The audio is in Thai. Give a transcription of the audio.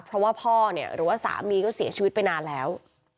เพราะว่าพ่อเนี่ยหรือว่าสามีก็เสียชีวิตไปนานแล้ว